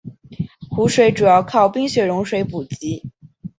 湖水主要靠冰雪融水补给。